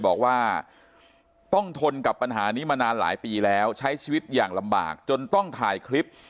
บอกว่าต้องทนกับปัญหานี้มานานหลายปีแล้วใช้ชีวิตอย่างลำบากจนต้องถ่ายคลิป